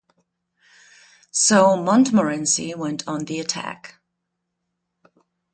So Montmorency went on the attack.